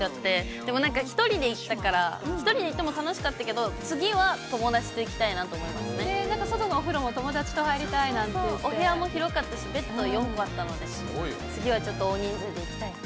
でもなんか、１人で行ったから、１人で行っても楽しかったけど、次は友達と行きたいなと思います外のお風呂も友達と入りたいお部屋も広かったし、ベッド４個あったので、次はちょっと大人数で行きたいなと。